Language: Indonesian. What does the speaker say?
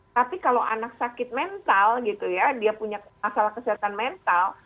tapi kalau anak sakit mental gitu ya dia punya masalah kesehatan mental